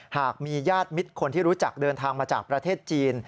หากมีญาติมิตรคนที่รู้จักเดินทางมาจากประเทศจีน